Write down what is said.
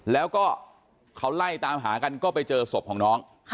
แล้วก็เขาไล่ตามหากันก็ไปเจอศพของน้อง